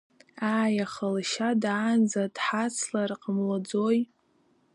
Ааи, аха лашьа даанӡа дҳацлар ҟамлаӡои?